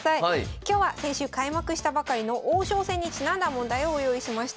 今日は先週開幕したばかりの王将戦にちなんだ問題をご用意しました。